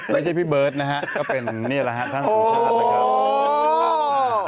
ไม่ใช่พี่เบิร์ตนะครับก็เป็นนี่แหละครับ